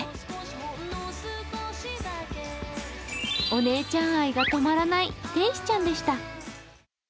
お姉ちゃん愛が止まらない天使ちゃんでした。